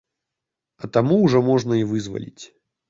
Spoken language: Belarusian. А таму ўжо можна і вызваліць.